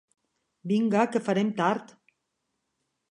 Vinga, que farem tard.